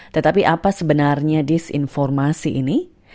tetapi apa sebenarnya disinformasi ini